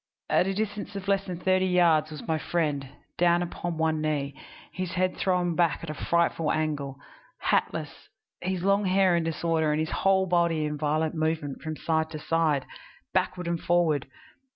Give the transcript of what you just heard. At a distance of less than thirty yards was my friend, down upon one knee, his head thrown back at a frightful angle, hatless, his long hair in disorder and his whole body in violent movement from side to side, backward and forward.